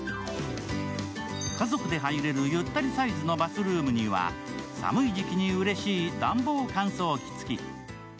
家族で入れるゆったりサイズのバスルームには寒い時期にうれしい暖房乾燥機付き。